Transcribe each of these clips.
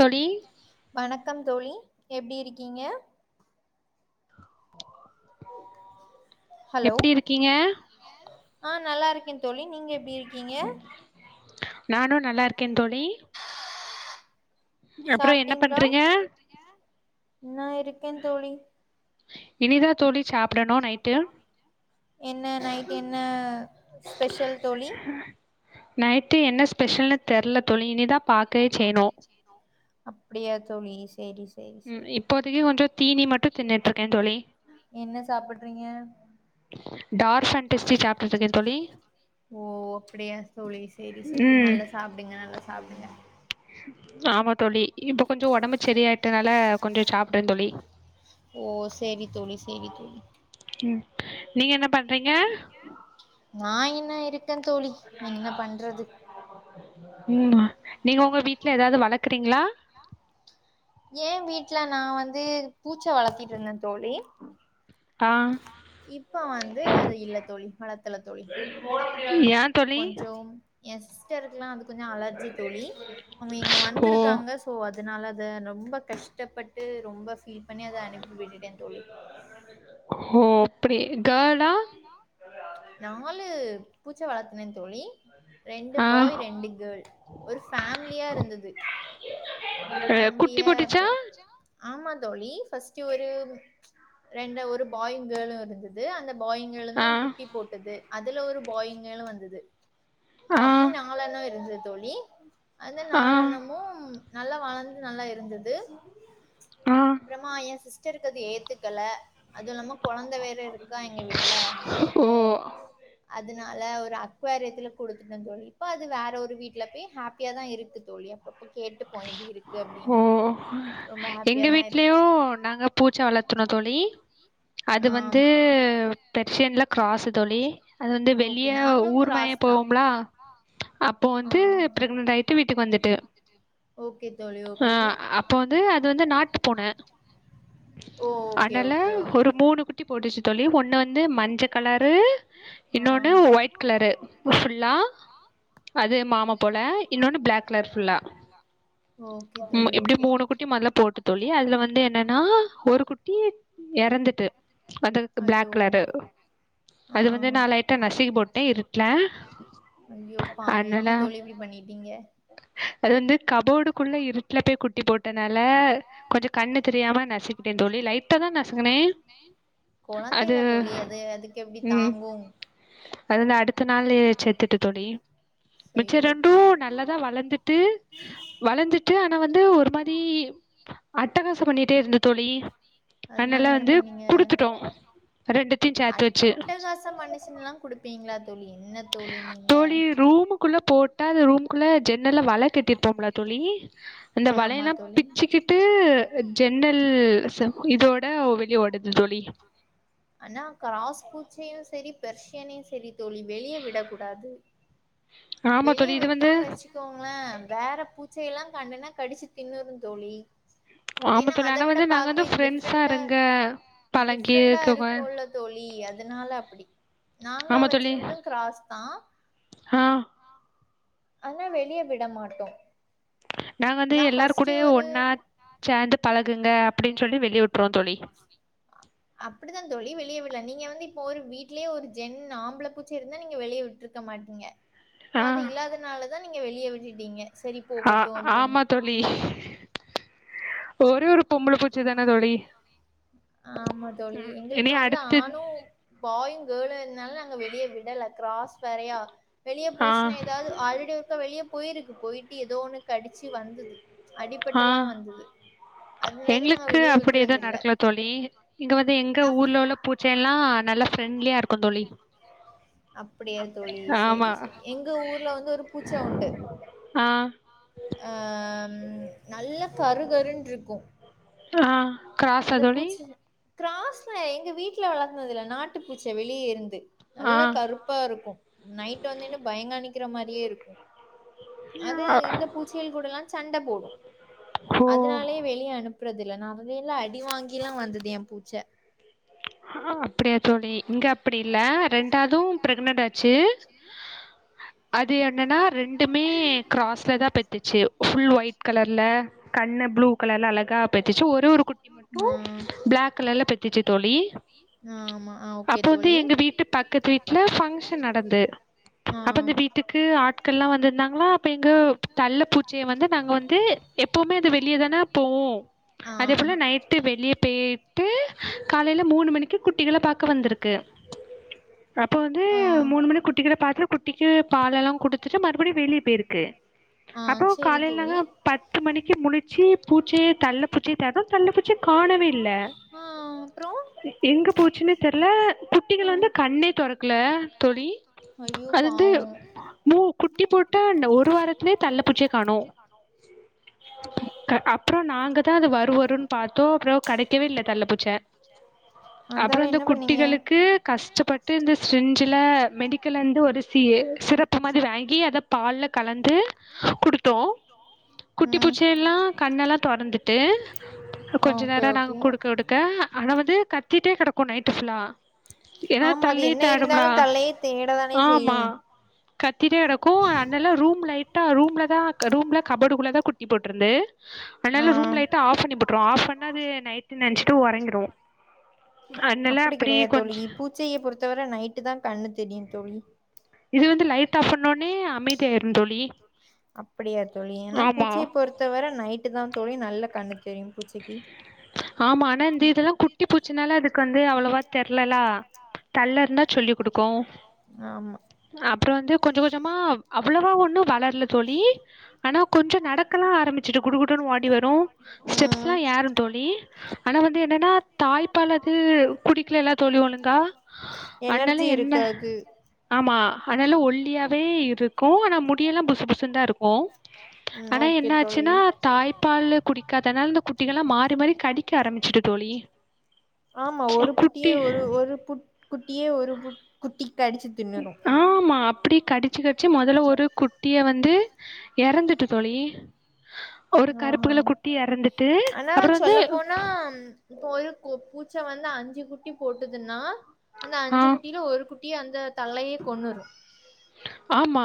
தோழி வணக்கம் தோழி எப்டி இருக்கீங்க ஹலோ எப்டி இருக்கீங்க ஆ நல்லா இருக்க தோழி நீங்க எப்டி இருக்கீங்க நானு நல்லாருக்கே தோழி அப்றோ என்ன சாப்டிங்களா பண்றீங்க நா இருக்கே தோழி இனிதா தோழி சாப்டணு நைட்டு என்ன நைட் என்ன ஸ்பெஷல் தோழி நைட்டு என்ன ஸ்பெஷல்ன்னு தெர்ல தோழி இனிதா பாக்கே செய்ணு அப்டியா தோழி சேரி சரி ம் சரி இப்போதைக்கு கொஞ்சோ தீனி மட்டு தின்னுட்ருக்கே தோழி என்ன சாப்பட்றீங்க டார்ஃப் ஃபேண்டெஸ்ட்டி சாப்ட்டுட்ருக்கே தோழி ஓ அப்டியா தோழி சேரி சேரி ம் நல்லா சாப்டுங்க நல்லா சாப்டுங்க ஆமா தோழி இப்ப கொஞ்சோ ஒடம்பு சரியாட்டனால கொஞ்சோ சாப்டே தோழி ஓ சேரி தோழி சேரி தோழி ம் நீங்க என்ன பண்றீங்க நா என்ன இருக்கே தோழி என்ன பண்றது ம் மா நீங்க ஒங்க வீட்ல ஏதாவது வளக்குறீங்களா ஏ வீட்ல நா வந்து பூச்சா வளத்திட்ருந்தே தோழி ஆ இப்ப வந்து அது இல்ல தோழி வளத்துல தோழி ஏ தோழி எ சிஸ்டருக்குலா அது கொஞ்சோ அலர்ஜி தோழி அவுங்க இங்க ஓ வந்துருக்காங்க சோ அதுனாலத ரொம்ப கஷ்டப்பட்டு ரொம்ப ஃபீல் பண்ணி அத அனுப்பி விட்டுட்டே தோழி ஓ அப்பகடி கேள்லா நாலு பூச்சா வளர்த்தினே தோழி ரெண்டு ஆ பாய் ரெண்டு கேள் ஒரு ஃபேமிலியா இருந்தது அஹ், குட்டி பேமிலியா போட்டுச்சா இருந்தோ ஆமா தோழி ஃபர்ஸ்ட்டு ஒரு ரெண்டு ஒரு பாயுங் கேளு இருந்தது அந்த பாயிங் கேளுந் ஆ தா குட்டி போட்டது அதுல ஒரு பாயிங் கேளு வந்தது ம் ஆ அப்டி நாலனோ இருந்து தோழி அந்த ஆ நாளனமும் நல்லா வளந்து நல்லா இருந்தது ஆ அப்றமா எ சிஸ்டருக்கு அது ஏத்துக்கல அது இல்லாம கொழந்த வேற இருக்கா எங்க வீட்ல அப்போ ஓ அது னால ஒரு அக்வாரத்துல குடுத்துட்டே தோழி இப்ப அது வேற ஒரு வீட்ல பேய் ஹாப்பியா தா இருக்கு தோழி அப்பப்போ கேட்டுப்போ எப்டி இருக்கு ஓ அப்டீனு எங்க வீட்லயு நாங்க பூச்சா வளத்துனோ தோழி அது ஆ வந்து பெர்ஷியன்ல க்ராஸ்ஸு தோழி அது வந்து ஓகே வெள்ளிய நாங்களு ஊர்மேய கிராஸ் தா போவுமும்லா அப்ப ஆ வந்து ப்ரெக்னன்ட் ஆயிட்டு வீட்டுக்கு வந்துட்டு ஓகே தோழி ஆ ஓகே அப்ப வந்து அது வந்து நாட்டு பூன ஓ ஓகே அனால ஓகே ஓகே ஒரு மூணு குட் ட்டி போட்டுச்சு தோழி ஒன்னு வந்து மஞ்ச கலரு ஆ இன்னோன்னு ஒயிட் ட் கலரு ஃபுல்லா அது மாமா போல இன்னோன்னு ப்ளாக் கலர் ஃபுல்லா லா ம் எப்டியு மூணு குட்டி மொதல்ல போட்டு தோழி அதுல வந்து என்னனா ஒரு குட்டி எறந்துட்டு அது வந்து ப்ளாக் ஐயோ கலரு ஆ அது வந்து நா லைட்டா நசுக்கி போட்டே இருட்ல ஐயோ பாவோ அதனால என்ன தோழி இப்டி பண்ணி டிங்க அது வந்து கபோடுக்குள்ள இருட்ல போய் குட்டி போட் டனால கொஞ்சோ கண்ணு தெரியாம நசுக்கிட்டே தோழி லைட்டா தா நசுங்குனே கொழந்தேல தோழி அது அதுக் எப்டி ம் தாங்கும் அது வந்து அடுத்த நாளு செத்துட்டு தோழி மிச்ச ஐயோ ரெண்டு பாவோ நல்லாதா வளந்துட்டு வளந்துட்டு ஆனா வந்து ஒரு மாரி அட்டகாசம் பண்ணிட்டே இருந்து தோழி அதனால அதுனால என்ன வந்து பண்ணீங்க குடுத்துட்டோ ரெண்டு அட்டகாசம் பண்ணுச்சுன்லா குடுப்பீங்களா தோழி என்ன தோழி நீங்க தோழி ரூமுக்குள்ள போட்டா அது ரூமுக்குள்ள ஜன்னல்ல வலை கட்டிருப்போம்லா தோழி அந்த ஆமா வளையெல்லா தோழி பிச்சிக்கிட்டு ஜன்னல் சம் இதோட வெளியோ ஓடுது தோழி ஆனா கிராஸ் பூச்சையும் செரி பெர்ஷியனையும் செரி தோழி வெளியே விடக் கூடாது ஆமா வெளியே தோழி இது வந்து விட்டோன் வச் சிக்கோங்கள வேற பூச்சை எல்லா கண்டனா கடிச்சி தின்னுரு தோழி ஆமா ஏனா தோழி அத ஆனா விட வந்து நாங்க பாக்க வந்து இது ஃப்ரெண்ட்ஸா டிஃப்ரெண்டா இருங்க டிஃப்ரெண்டா இரு பழகிக்கவ போல தோழி அதனால அப்டி நாங்க ஆமா வச்சிருந்தது கிராஸ் தா ஹா ஆனா வெளிய விட மாட்டோ நாங்க வந்து நா எல்லாரு ஃபஸ்ட்டு கூட ஒரு ஒன்னா சேர்ந்து பழகுங்க அப்டின்னு சொல்லி வெளிய விட்டுருவோ தோழி ஆ அப்டித்தா தோழி வெளியே விடல நீங்க வந்து இப்போ ஒரு வீட்லேயே ஒரு ஜென் ஆம்பள பூச்ச இருந்தா நீங்க வெளியே விட்டுருக்க மாட்டீங்க இப்ப ஆ அது இல்லாதனாலதா நீங்க வெளியே விட்டுட்டீங்க சரி போகட்டும் அப்டின்னு பிலி ஒரே ஒரு பொம்பள பூச்சி தான தோழி ஆமா தோழி இனி எங்களுக்கு வந்து அடுத்து ஆணு பாயு கேளு இருந்தாலு நாங்க வெளிய விடல க்ராஸ் வேறயா வெளிய ஆ போச்சுன்னா ஏதாவது ஆல்ரெடி ஒருக்க வெளிய போயிருக்கு போயிட்டு ஏதோ ஒன்னு கடிச்சி வந்தது அடிப்பட்டல்லா வந்தது அதுலேருந்து நாங்க எங்ளுக்கு வெளிய அப்டி எது விடுறதில்ல. நடக்கல தோழி இங்க வந்து எங்க நா ஊர்ல உள்ள புட் செல்லா நல்லா ஃப்ரெண்ட்லியா இருக்கு தோழி அப்டியா தோழி ஆமா சேரி சேரி எங்க ஊர்ல வந்து ஒரு பூச்ச உண்டு ஆ அம் நல்ல கருகருன்ட்ருக்கு ஆ கிராஸா அந்த தோழி பூச்சி கிராஸ்ல எங்க வீட்ல வளந்தது இல்ல நாட்டு பூச்சை வெளியே இருந்து ஆ நல்லா கருப்பா இருக்கு நைட் வந்தினா பயங்காணிக்கிற மாரியே இருக்கு அது இந்த பூச்சி தேள்கூடலா சண்ட போடு ஓ அதனாலயே வெளியே அனுப்புறது இல்ல நா வந்து இல்ல அடி அடி வாங்கிலா வந்தது ஏ பூச்ச அப்டியா தோழி இங்க அப்டி இல்ல ரெண்டவது பிரெக்னன்ட் ஆச்சி [inaudible] அது என்னன்னா ரெண்டுமே கிராஸ்ல தா பெத்துச்சி புல் ஒயிட் கலர்ல கண்ணு ப்ளூ கலர்ல அழகாப் பெத்துச்சி ஒரே ஒரு குட்டி மட்டு ஆ பிளாக் கலர்ல பெத்துச்சு தோழி ஆமா அவ் அப்போத்தி எங்க வீட்டு பக்கத்து வீட்ல ஃபங்க்ஷன் நடந்து ஆ அப்ப அந்த வீட்டுக்கு ஆட்கள் எல்லா வந்துருந்தாங்களா அப்ப எங்க தள்ள பூச்சிய வந்து நாங்க வந்து எப்போவுமே அது வெளியேதான போவு ஆ அதே போல நைட் விட்டு வெளியே பேயிட்டு காலேல மூணு மணிக்கு குட்டிக பாக்க வந்திருக்கு அப்போ வந்து ஆ மூணு மணி குட்டிகல பாத்துட்டு குட்டிக்கு பால் எல்லா குடுத்துட்டு மறுபடியு வெளிய பேருக்கு ஆ அப்ரோ சேரி காலேல தோழி பத்து மணிக்கு முழிச்சி பூச்சே தள்ள பட் சி தேடுறோ தள்ள பூச்சிய காணவே இல்ல ஆ ஆம் எங்க போச்சின்னே தெர்ல குட்டிகள் ம் வந்து கண்ணே தொறக்கல தோழி ஐயோ அது வந்து பாவோ மூண் குட்டி போட்டா ஒரு வாரத்லயே வாரத்லயே தள்ளு பூச்சிய காணே அப்றோ நாங்க தா அது வருவருன்னு பாத்தோ அப்றோ கிடைக்கவே இல்ல தள்ள பூச்ச ச அப்றோ இந்த குட்டிகளுக்கு கஷ்டப்பட்டு இந்த சிரிஞ்சில மெடிக்கலந்து ஒரு சிஏ சிரப் அத்த மாரி வாங்கி அத பால்ல கலந்து கொடுத்தோ குட்டி ம் பூச்சையல்லா கண்ணெல்லா தொறந்துட்டு கொஞ்சோ ஓகே நேரோ நாங்க ஓகே கொடுக்க கொடுக்க ஆனா வந்து கத்திட்டே கிடக்கு நைட்டு ஃபுல்லா எனா தள்ளி தேடும்லா தேட தானே செய்யு ஆமா கத்திட்டே கிடக்கு அதுனால ரூம் லைட்டா ரூம்ல தா ரூம்ல கபோர்டுள்ள தா குட்டி போட்டுருந்து ஆ அனால ரூம் லைட்ட ஆப் பண்ணி போற்றுவோ ஆப் பண்ணா அது நைட்டு நினைச்சுட்டு உறங்கிரு அப்டி கிடையாது கொஞ்ச தோழி பூச்சையை பொறுத்தவரை நைட்டு தா கண்ணு தெரியு தோழி இது வந்து லைட் ஆப் பண்ணோனே அமைதியா ஆயிரு தோழி அப்டியா தோழி எனா ஆமா பூச்சிய பொறுத்தவர நைட் இருட்டு தா தோழி நல்லா கண்ணு தெரியு பூச்சிக்கி ஆமா ஆனா இந்து இதெல்லா குட்டி பூச்சுனால அதுக்கு வந்து அவ்ளோவா தெரிலல்ல தள்ள இருந்தா சொல்லி கொடுக்கு ஆமா அப்றோ வந்து கொஞ்சோ கொஞ்சமா அவ்ளவா ஒண்ணு வளர்ல தோழி ஆனா கொஞ்சோ நடக்கலா ஆரம்பிச்சிட்டு குடுகுடுன்னு வோடி வரு ஸ்டெப்ஸ்லா ம் யேறு தோழி ஆனா வந்து எனன்னா தாய்ப்பால் அது குடிக்கலல்ல தோழி ஒழுங்கா ஆனால எனர்ஜி என்ன இருக்காது ஆமா ஆனால ஒல்லியாவே இருக் பூன முடியெல்லா புசு புசு தா இருக்கு ம் ஆனா ஓகே என தோழி ஆச்சுன்னா தாய்ப்பால் குடிக்காதனால அந்த குட்டிகள் எல்லா மாரி மாரி கடிக்க ஆரம்பிச்சுட்டு தோழி ஆமா ஒரு புட்டியே குட்டி ஒரு ஒரு புட் குட்டியே ஒரு பு குட்டி அடிச்சு ஆமா அப்டி கடிச்சு கடிச்சு முதல்ல ஒரு குட்டிய வந்து இறந்துட்டு தோழி ஒரு ஆ ஹா கருப்புல குட்டி எறந்துட்டு ஆனா அப்புறம் வந்து சொல்ல போனா இப்ப ஒரு பூச்சை வந்து அஞ்சு குட்டி போட்டுதுன்னா அந்த ஆ அஞ்சு குட்டியில ஒரு குட் டிய அந்த தள்ளயே கொன்னுரு ஆமா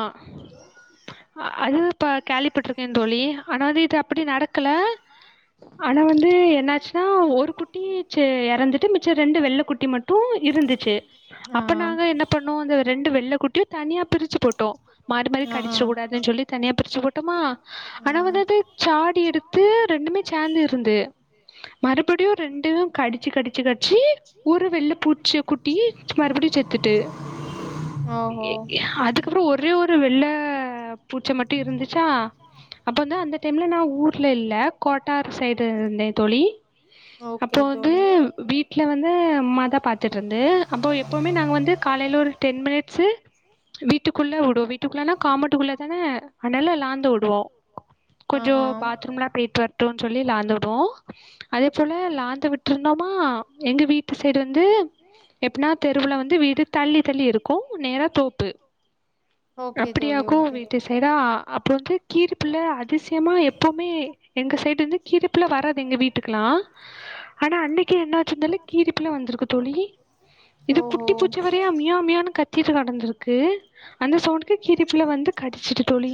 அது பா கேலிப்பட்டுருக்கே தோழி ஆனா இது அப் அப்டி நடக்கல ஆனா வந்து எனாச்சுன்னா ஒரு குட்டி சோ இறந்துட்டு மிச்சம் ரெண்டு வெள்ள குட்டி மட் ட்டு இருந்துச்சு ஆ அப்ப நாங்க என்ன பண்ணோ அ ரெண்டு வெள்ளை குட்டியு தனியா பிரிச்சு போட்டோ மாரி மாரி ஆ ஆ கடிச்சக்க கூடாதுன்னு சொல்லி தனியா பிரிச்சு போட்டோமா ஆனா ம் வந்து அது சாடி எடுத்து ரெண்டுமே சேர்ந்து இருந்து மறுபடியு ரெண்டு கடிச்சு கடிச்சு கடிச்சு ஒரு வெள்ள பூச்சி குட்டி மறுபடியு செத்துட்டு ஓஹோ அது கப்றோ ஒரே ஒரு வெள்ள பூச்ச மட்டு இருந்துச்சா அப்ப வந்து அந்த டைம்ல நா ஊர்ல இல்ல கோட்டார்ப் சைடு இருந்தே தோழி ஓகே அப்போ வந்து தோழி வீட் டல வந்து அம்மா தா பாத்துட்டு இருந்து அப்போ எப்போவுமே நாங்க வந்து காலையில ஒரு டென் மினிட்ஸு குள்ள விடுவோ வீட்டுக்குள்ளானா காமோட்டுக்குள்ள தானே அனால லாந்த விடுவோ ஆ கொஞ்சோ ஆ பாத்ரூம்லா போயிட்டு வரட்டும்னு சொல்லி லாந்த விடுவோ அதே போல லாந்து விட் ருந்தோமா எங்க வீட்டு சைடு வந்து எப்டின்னா தெருவுல வந்து வீடு தள்ளி தள்ளி இருக்கு நேர தோப்பு ஓகே தோழி அப்டியாக்கு ஓகே வீட்டு சைடா அப்பற வந்து கீரிப்புள்ள அதிசயமா எப்பவுமே எங்க சைடு இருந்து கீருப்புல்ல வராது எங்க வீட்டுக்கெல்லா ஆனா அன்னைக்கு என்னச்சின்னு தெரில கீரிப்புல்ல வந்திருக்கு தோழி இது ஓஹோ குட்டி பூச்ச மாறியே மியாவ் மியாவ் னு கத்திட்டு கிடந்திருக்கு அந்த சவுண்டுக்கு கிருப்புல வந்து கடிச்சிட்டு தோழி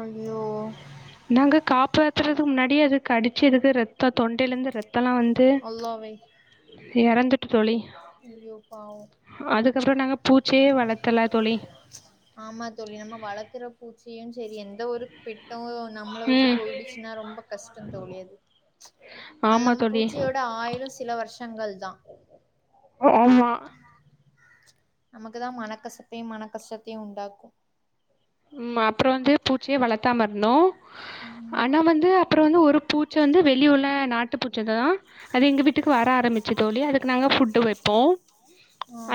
ஐயோ நாங்க காப்பாத்துறதுக்கு முன்னாடி அப்டியே அது கடிச்சு இருக்கு ரத்த தொண்டையில இருந்து ரத்தம்ல்லா வந்து அல்லாவே இறந்துட்டு தோழி ஐயோ பாவோ அதுக்கப்பற நாங்க பூச்சியே வளர்த்தல தோழி ஆமா தோழி நம்ம வளர்க்குற பூச்சயு சரி எந்த ஒரு பெட்டும் நம்மள விட்டு ம் போயிலிச்சுன்னா ரொம்ப கஷ்ட தோழி அது ஆமா அல்லாம தோழி பூச்சியோட ஆயிலு சில வருஷங்கள் தா ஓமா ஆமா நமக்கு தா மனக்கஸ்த்தையு மனக்கஷ்டத்தையு உண்டாக்கு ம் அப்ற வந்து பூச்சியே வளர்த்தாமா இருந்தோம் ம் ஆனா வந்து அப்ற வந்து ஒரு பூச்ச வந்து வெளிய உள்ள நாட்டு பூச்சு தா அது எங்க வீட்டுக்கு வர ஆரம்பிச்சு தோழி அதுக்கு நாங்க ஃபுட்டு வப்போ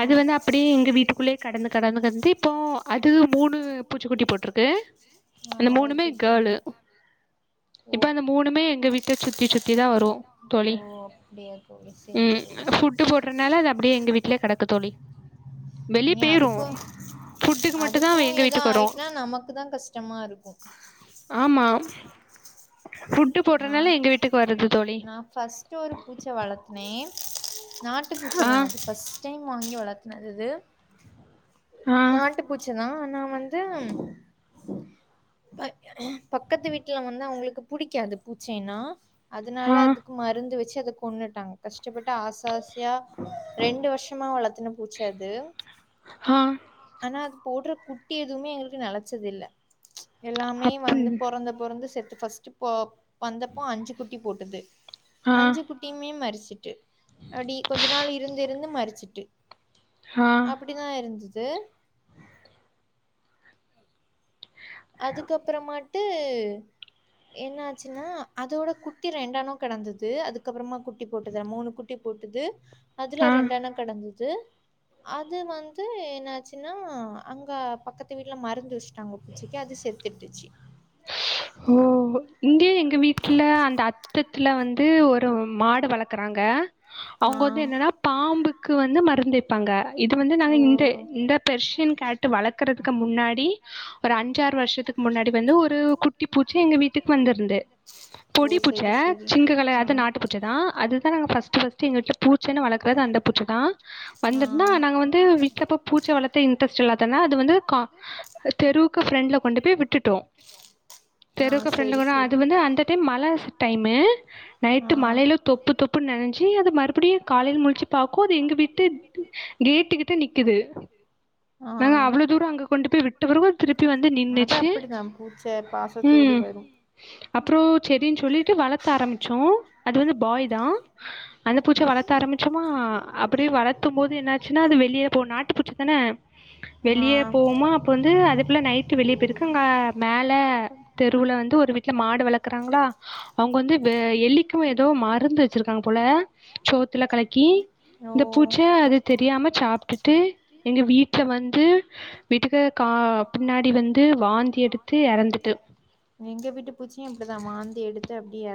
அது வந்து அப்டியே எங்க வீட்டுக்குள்ளே கடந்து கடந்து கத்திப்போ அது மூணு பூச்சிக்குட்டி போட்ருக்கு அந்த மூணுமே கேளு சாப்டேன் இப்போ அந்த மூணுமே எங்க வீட்ட சுத்தி சுத்தி தா வரு தோழி அப்டியா தோழி சேரி ம் தோழி இப்ப சேரி ஃபுட்டு போடுறதுனால அது அப்டியே எங்க வீட்லேயே கெடக்கு தோழி வெளியே ஏ போயிரும் அதுக்கும் ஃபுட்டுக்கு மட்டும் தான் அதுக்கும் எங்கள் ஏதா வீட்டுக்கு வரும் ஆயிட்னா நமக்கு தா கஷ்டமா இருக்கும் ஆமாம் ஃபுட்டு போடுறதுனால எங்க வீட்டுக்கு வருது தோழி ஃபர்ஸ்ட்டு ஒரு பூச்ச வளர்த்துனே நாட்டு பூச்சு தா ஆ அது ஃபஸ்ட் ஃபர்ஸ்ட் டைம் வாங்கி வளர்த்தினது இது ஆ நாட்டு பூச்சுதா ஆனா வந்து பக்கத்து வீட்டுல வந்து அவங்களுக்கு புடிக்காது பூச்சின்னா அதனால ஆ அது மருந்து வைச்சி அத கொண்ணட்டாங்க கஷ்டப்பட்டு ஆசாசையா ரெண்டு வருஷமா வளர்த்துன்ன பூச்ச அது ஆ ஆனா அது போடுற குட்டி எதுவுமே எங்களுக்கு நிலச்சது இல்ல எல்லாமே அப்பு வந்து புறந்த புறந்து செத்து ஃபர்ஸ்ட்ட் போ வந்தப்போ அஞ்சு குட்டி போட்டுது ஆ அஞ்சு குட்டியுமே மரிச்சுட்டு அப்டி கொஞ்ச நாள் இருந்திருந்து மறிச்சுட்டு ஆ அப்டி தா இருந்து அதுக்கப்பறமாட்டு என்ன ஆச்சுன்னா அதோட குட்டி ரெண்டானு கெடந்தது அதுக்கப்பறமா குட்டி போட்டுது மூணு குட்டி குட்டி போட்டுது அதுல ஆ ரெண்டண்ண கெடந்தது அது வந்து என்னாச்சுன்னா அங்க பக்கத்து வீட்ல மருந்து வச்சுட்டாங்க பூச்சிக்கு அது செத்துட்டுச்சு ஓ இங்கே எங்க வீட்ல அந்த அத்தத்தில்ல வந்து ஒரு மாடு வளர்க்குறாங்க ஆ அவுங்க வந்து என்னனா பாம்புக்கு வந்து மருந்துப் ப்பாங்க இது வந்து நாங்க ஓ இந்து இந்த பெர்சியன் கேட்டு வளர்க்குறதுக்கு முன்னாடி ஒரு அஞ்சு ஆறு வருஷத்துக்கு முன்னாடி வந்து ஒரு குட்டி பூச்சி எங்க வீட்டுக்கு வந்திருந்தது ஓ பொடி பூச்ச செரி செரி சிங்கு ஆ கலாது நாட்டு பூச்ச நா அதுதா பஸ்ட் பஸ்ட் எங்கிட்ட பு பூச்சன்னு வளர்க்குறது அந்த பூச்சதா ஆ வந்திர்தா நாங்க வந்து வீட்ல போ பூச்ச வளத்த இன்ரெஸ்ட் இல்லாதனா அது வந்து கா தெருவுக்கு ஃப்ரண்ட்ல கொண்டு போய் விட்டுட்டோ ஆ தெருக்கு ஃப்ரண்ட்ல செரி கொண்டு செரி அது வந்து அந்த டைம் மழ டைமு ஆ நைட்டு மழையில தொப்பு தொப்புன்னு நனஞ்சு அது மறுபடியும் காலையில முழிச்சு பாக்கோ அது எங்க வீட்டு கேட்டு கிட்ட நிக்குது ஆ நாங்க அவ்ளவு தூர அங்க கொண்டு போய் விட்டு வரவு திருப்பி வந்து அது நின்னுச்சு அப்டிதா பூச்ச பாஸொ இருட்டோடி வரு அப்றோ ச்செரின்னு சொல்லிட்டு வளக்க ஆரம்பிச்சோ அது வந்து பாய் தா அந்த பூச்ச வளத்தரம்பிச் சம்மா அப்டியே வளத்தும் போது என்னாச்சின்னா அது வெளியே போ நாட்டு பூச்சிதான ஆ வெளியே போவோமா அப்ப வந்து அதுக்குள்ள நைட்டு வெளியே போயிருக்கு இங்க மேல தெருவுல வந்து ஒரு வித் வீட்ல மாடு வளக்கறாங்ளா அவங்க வந்து வ எலிக்கு ஏதோ மருந்து வச்சிருக்காங்க போல சோத்துல கலக்கி ஓ இந்த பூச்ச அது தெரியாம சாப்டுட்டு எங்க வீட்ல வந்து வீட்டுக கா பின்னாடி வந்து வாந்தி எடுத்து எறந்துட்டு எங்க வீட்டு பூச்சியு அப்டிதா வாந்தி எடுத்து அப்டியே எற